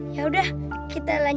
yaudah kita pergi dulu ya